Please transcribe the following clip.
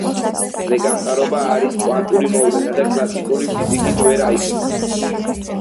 ზეგამტარობა არის კვანტური მოვლენა და კლასიკური ფიზიკით ვერ აიხსნება.